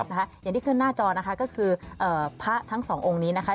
อย่างที่ขึ้นหน้าจอนะคะก็คือพระทั้งสององค์นี้นะคะ